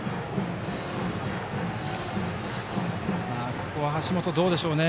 ここは橋本、どうでしょうね。